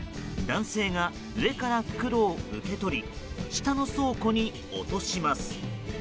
男性が上から袋を受け取り下の倉庫に落とします。